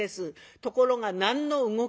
ところが何の動きもない。